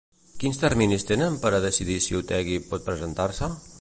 Quins terminis tenen per a decidir si Otegi pot presentar-se?